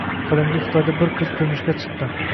Qadimgi Xitoyda bir qiz turmushga chiqdi